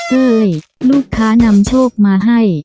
เอ้ยลูกค้านำโชคมาให้